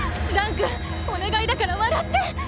蘭君お願いだから笑って！